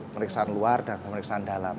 pemeriksaan luar dan pemeriksaan dalam